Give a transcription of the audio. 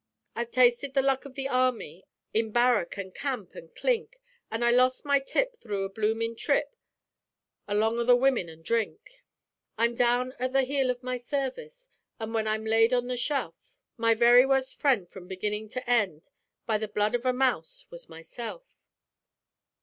"I've tasted the luck o' the army In barrack 'an camp 'an clink, And I lost my tip through the bloomin' trip Along 'o the women an' drink, I'm down at the heel o' my service, An' when I am laid on the shelf, My very wust friend from beginning to end, By the blood of a mouse, was myself.